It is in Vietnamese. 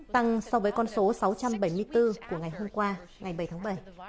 tăng so với con số sáu trăm bảy mươi bốn của ngày hôm qua ngày bảy tháng bảy